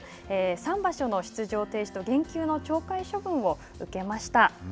三場所の出場停止と減給の懲戒処分を受けました。